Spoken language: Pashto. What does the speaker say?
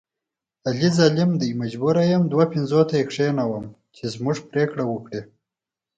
علي ظالم دی مجبوره یم دوه پنځوته یې کېنوم چې زموږ پرېکړه وکړي.